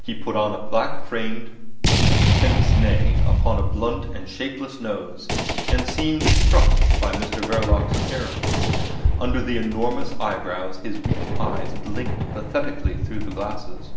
He put on a black framed pince nez upon a blunt and shapeless nose, and seemed struck by Mr Verloc's appearance. Under the enormous eyebrows his weak eyes blinked pathetically through the glasses.